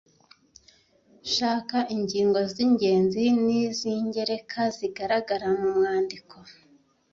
shaka ingingo z’ingenzi n’iz’ingereka zigaragara mu mwandiko.